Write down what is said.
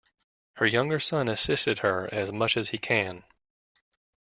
Her younger son assists her as much as he can.